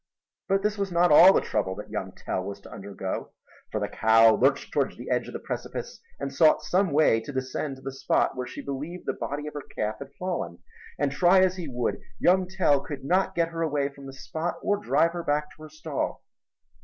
But this was not all the trouble that young Tell was to undergo, for the cow lurched toward the edge of the precipice and sought some way to descend to the spot where she believed the body of her calf had fallen, and try as he would young Tell could not get her away from the spot or drive her back to her stall.